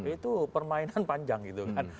itu permainan panjang gitu kan